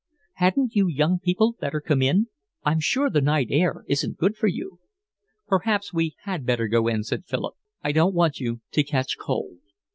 "Hadn't you young people better come in? I'm sure the night air isn't good for you." "Perhaps we had better go in," said Philip. "I don't want you to catch cold."